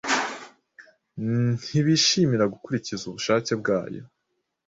ntibishimira gukurikiza ubushake bwayo.